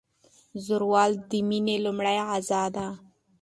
ځورول د میني لومړنۍ غذا ده.